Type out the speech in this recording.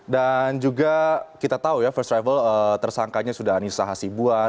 dan juga kita tahu ya first travel tersangkanya sudah anissa hasibuan